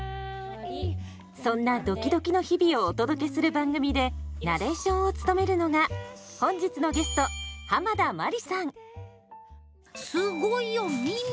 そんなドキドキの日々をお届けする番組でナレーションを務めるのが本日のゲストすごいよミミ！